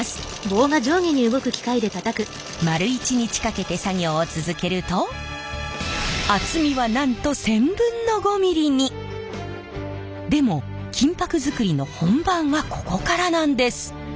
丸一日かけて作業を続けると厚みはなんと１０００分の５ミリに。でも金箔作りの本番はここからなんです！